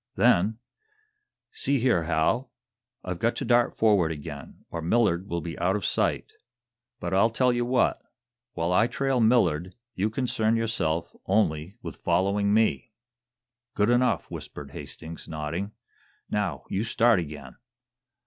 Then: "See here, Hal, I've got to dart forward again, or Millard will be out of sight. But I'll tell you what while I trail Millard, you concern yourself only with following me." "Good enough," whispered Hastings, nodding. "Now, you start again!"